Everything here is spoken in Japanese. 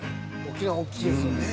沖縄おっきいですよね。